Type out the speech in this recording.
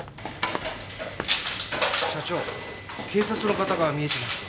社長警察の方が見えていますが。